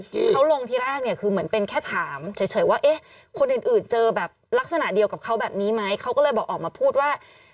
อืมเขาลงที่แรกเนี้ยคือเหมือนเป็นแค่ถามเฉยเฉยว่าเอ๊ะคนอื่นอื่นเจอแบบลักษณะเดียวกับเขาแบบนี้ไหมเขาก็เลยบอกออกมาพูดว่า